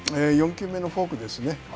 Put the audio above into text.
４球目のフォークですね。